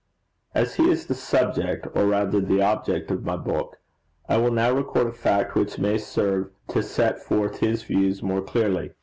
As he is the subject, or rather object of my book, I will now record a fact which may serve to set forth his views more clearly.